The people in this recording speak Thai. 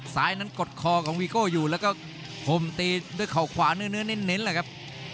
ซ้ายนั้นกดคอของวีโก้อยู่แล้วก็ห่มตีด้วยเขาขวาเนื้อเน้นแหละครับ